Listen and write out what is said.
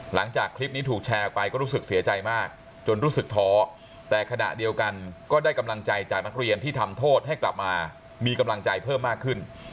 หลังจากคลิปนี้ถูกแชร์ออกไปก็รู้สึกเสียใจมากจนรู้สึกท้อแต่ขณะเดียวกันก็ได้กำลังใจจากนักเรียนที่ทำโทษให้กลับมามีกำลังใจเพิ่มมากขึ้น